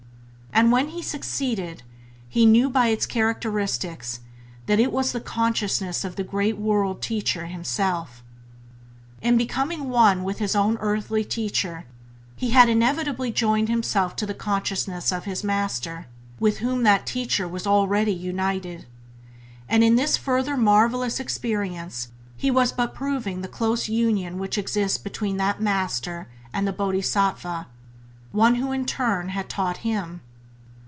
And when he succeeded, he knew by its characteristics that it was the Consciousness of the great World Teacher Himself. In becoming one with his own earthly teacher he had inevitably joined himself to the consciousness of his Master, with whom that teacher was already united; and in this further marvellous experience he was but proving the close union which exists between that Master and the Bodhisattva, who in turn had taught Him.